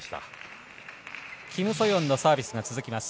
キム・ソヨンのサービスが続きます。